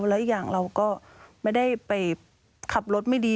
แล้วอีกอย่างเราก็ไม่ได้ไปขับรถไม่ดี